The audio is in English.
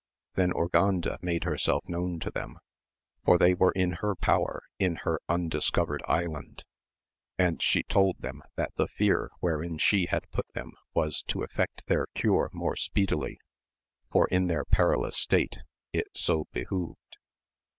Then Urganda made herself known to them, for they were in her power in her Undiscovered Island ; and she told them that the fear wherein she had put them was to effect their cure more speedily, for in their perilous state it so behoved.